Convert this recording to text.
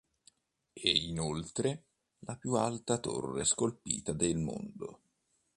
È inoltre la più alta torre scolpita del mondo.